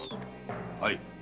はい。